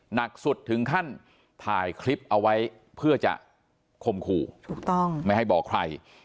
หนักสุดถึงขั้นถ่ายคลิปเอาไว้เพื่อจะคมขู่ถูกต้องไม่ให้บอกใคร